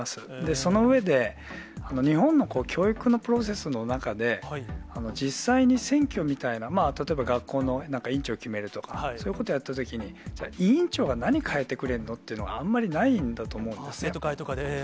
その上で、日本の教育のプロセスの中で、実際に選挙みたいな、例えば学校のなんか委員長決めるとか、そういうことやったときに、委員長が何変えてくれるのっていうのは、あんまりないんだと思う生徒会とかで。